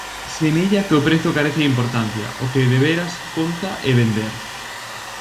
Semella que o prezo carece de importancia, o que de veras conta é vender.